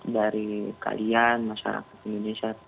dari kalian masyarakat indonesia